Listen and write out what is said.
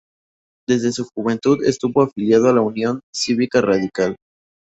Desde su juventud estuvo afiliado a la Unión Cívica Radical.